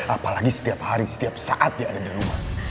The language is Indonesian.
apalagi setiap hari setiap saat dia ada di rumah